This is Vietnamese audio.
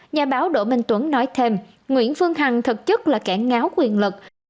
nhà báo đỗ minh tuấn nói thêm nguyễn phương hằng thật chất là cả ngáo quyền lực